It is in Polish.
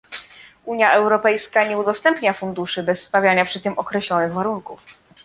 Unia Europejska nie udostępnia funduszy bez stawiania przy tym określonych warunków